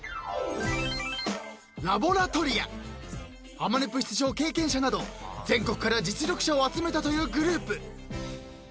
［『ハモネプ』出場経験者など全国から実力者を集めたというグループ］